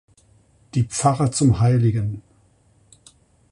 Die Pfarre zum Hl.